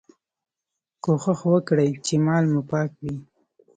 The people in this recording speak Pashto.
کوښښ وکړئ چي مال مو پاک وي.